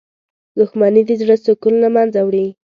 • دښمني د زړه سکون له منځه وړي.